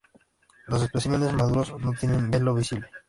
Los especímenes maduros no tienen velo visible.